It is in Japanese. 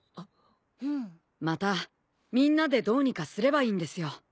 またみんなでどうにかすればいいんですよ。